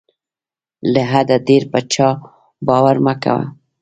له حده ډېر په چا باور مه کوه.